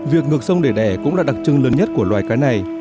việc ngược sông để đẻ cũng là đặc trưng lớn nhất của loài cá này